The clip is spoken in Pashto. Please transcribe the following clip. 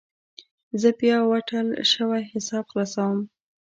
زه بیا وتړل شوی حساب خلاصوم.